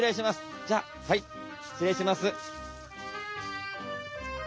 じゃあはい失礼します。